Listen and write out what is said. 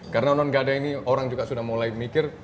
karena non gadei ini orang juga sudah mulai mikir